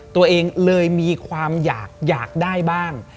ตัวเองเลยมีความอยากได้บ้าง